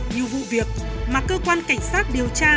như vụ việc mà cơ quan cảnh sát điều tra